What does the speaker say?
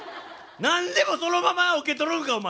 何でもそのまま受け取るんかお前！